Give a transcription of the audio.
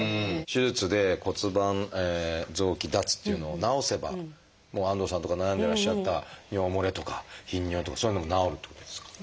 手術で骨盤臓器脱というのを治せば安藤さんとか悩んでいらっしゃった尿もれとか頻尿とかそういうのも治るということですか？